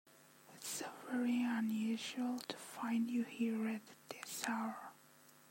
It is so very unusual to find you here at this hour.